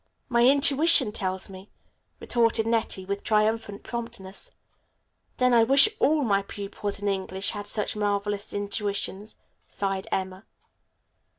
"My intuition tells me," retorted Nettie with triumphant promptness. "Then I wish all my pupils in English had such marvelous intuitions," sighed Emma.